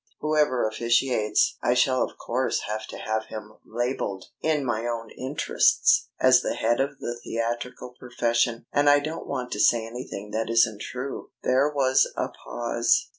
Whoever officiates, I shall of course have to have him labelled, in my own interests, as the head of the theatrical profession, and I don't want to say anything that isn't true." There was a pause.